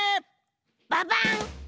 ババン！